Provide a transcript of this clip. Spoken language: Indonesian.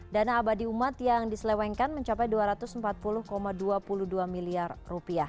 dana abadi umat yang diselewengkan mencapai rp dua ratus empat puluh dua puluh dua miliar